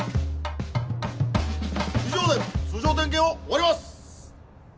以上で通常点検を終わります！